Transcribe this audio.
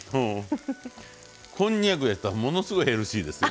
こんにゃくやったらものすごいヘルシーですよ。